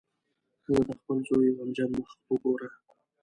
ښځه د خپل زوی غمجن مخ وګوره.